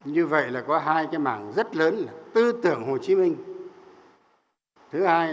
như vậy là có hai cái mảng rất lớn là tư tưởng hồ chí minh